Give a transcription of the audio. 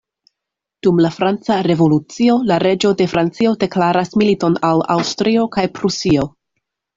Dum la Franca Revolucio, la reĝo de Francio deklaras militon al Aŭstrio kaj Prusio.